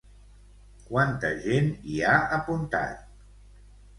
Quanta gent hi ha apuntat?